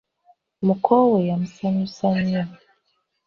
Muko we yamusanyusa nnyo.